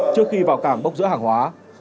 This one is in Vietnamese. trước khi vào cảng bốc giữa hàng hóa